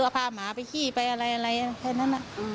เอาพาหมาไปขี้ไปอะไรแค่นั้น